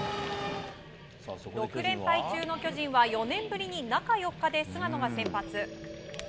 ６連敗中の巨人は４年ぶりに中４日で菅野が先発。